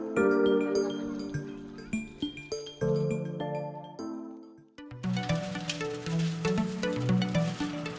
siapa yang sangka coba dibuat dari bekas bungkus minuman